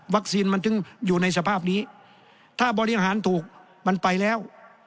มันถึงอยู่ในสภาพนี้ถ้าบริหารถูกมันไปแล้ว